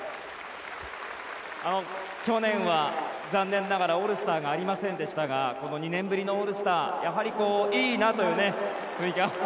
去年は残念ながらオールスターがありませんでしたがこの２年ぶりのオールスターやはりいいなという雰囲気が。